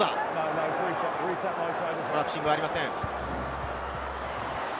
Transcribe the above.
コラプシングはありません。